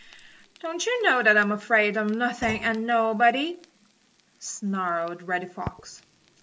"Don't you know that I'm afraid of nothing and nobody?" snarled Reddy Fox.